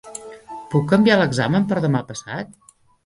Puc canviar l'examen per demà passat?